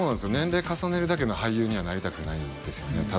年齢重ねるだけの俳優にはなりたくないですよね